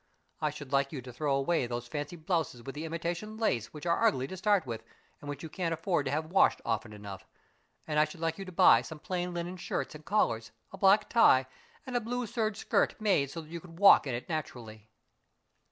I should like you to throw away those fancy blouses with the imitation lace, which are ugly to start with, and which you can't afford to have washed often enough, and I should like you to buy some plain linen shirts and collars, a black tie, and a blue serge skirt made so that you could walk in it naturally."